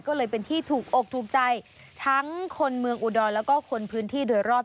ก็เลยเป็นที่ถูกอกถูกใจทั้งคนเมืองอุดรแล้วก็คนพื้นที่โดยรอบ